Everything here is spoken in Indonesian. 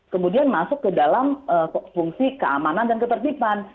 kemudian masuk ke dalam fungsi keamanan dan ketertiban